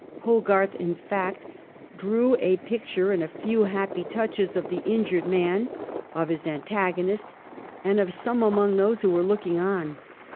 Hogarth, in fact, drew a picture in a few happy touches of the injured man, of his antagonist, and of some among those who were looking on.